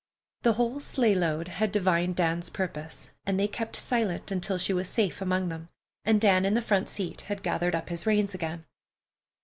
The whole sleigh load had divined Dan's purpose, and they kept silent until she was safe among them, and Dan in the front seat had gathered up his reins again.